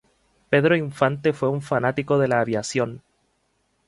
Pedro Infante fue un fanático de la aviación.